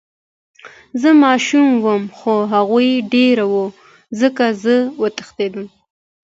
زه ماشوم وم خو هغوي ډير وو ځکه زه وتښتېدم.